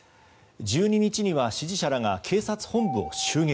１２日には支持者らが警察本部を襲撃。